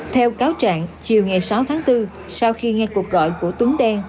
theo cáo trạng chiều ngày sáu tháng bốn sau khi nghe cuộc gọi của tuấn đen